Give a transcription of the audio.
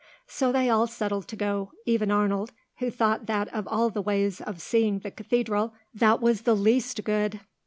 So they all settled to go, even Arnold, who thought that of all the ways of seeing the Cathedral, that was the least good.